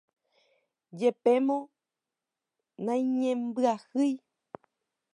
jepémo naiñembyahýi